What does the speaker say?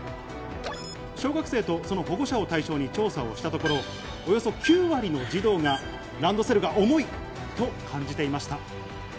小学生とその保護者を対象に調査をしたところ、およそ９割の児童がランドセルが重いと感じていました。